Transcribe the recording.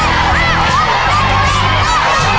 โอ้โฮโอ้โฮโอ้โฮ